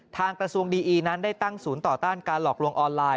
ทางกระทรวงดีอีนั้นได้ตั้งศูนย์ต่อต้านการหลอกลวงออนไลน